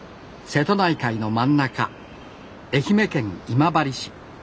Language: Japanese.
瀬戸内海の真ん中愛媛県今治市。